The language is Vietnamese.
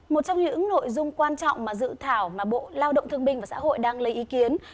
một trong những nội dung quan trọng mà dự thảo mà bộ lao động thương binh và xã hội đang lấy ý kiến